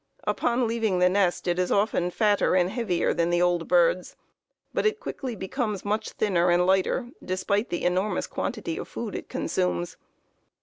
Upon leaving the nest it is often fatter and heavier than the old birds; but it quickly becomes much thinner and lighter, despite the enormous quantity of food it consumes.